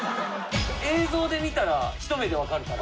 映像で見たらひと目でわかるから。